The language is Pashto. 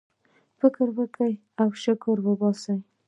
فكر وكره او شكر وباسه!